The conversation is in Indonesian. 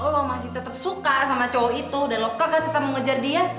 lo masih tetep suka sama cowok itu dan lo kekal tetep mau ngejar dia